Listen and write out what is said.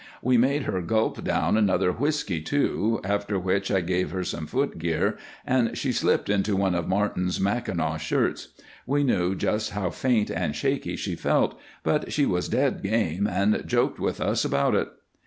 We made her gulp down another whisky, too, after which I gave her some footgear and she slipped into one of Martin's Mackinaw shirts. We knew just how faint and shaky she felt, but she was dead game and joked with us about it.